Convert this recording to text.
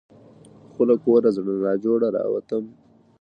خو له کوره زړه نا زړه راوتم .